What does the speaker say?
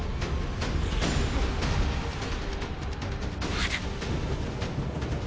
まだ。